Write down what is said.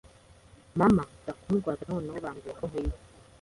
mama za kundwaza noneho bambwira ko nkwiye